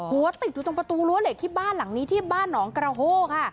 หัวติดอยู่ตรงประตูรั้วเหล็กที่บ้านหลังนี้ที่บ้านหนองกระโฮค่ะ